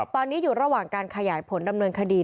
ตอนนี้อยู่ระหว่างการขยายผลดำเนินคดี